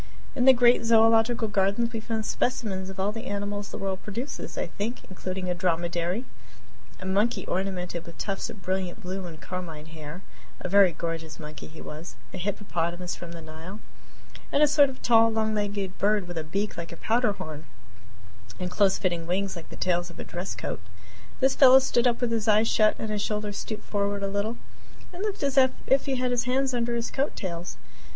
In the great Zoological Gardens we found specimens of all the animals the world produces, I think, including a dromedary, a monkey ornamented with tufts of brilliant blue and carmine hair a very gorgeous monkey he was a hippopotamus from the Nile, and a sort of tall, long legged bird with a beak like a powder horn and close fitting wings like the tails of a dress coat. This fellow stood up with his eyes shut and his shoulders stooped forward a little, and looked as if he had his hands under his coat tails.